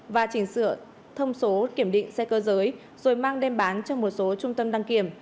và chỉnh sửa thông số kiểm định xe cơ giới rồi mang đem bán cho một số trung tâm đăng kiểm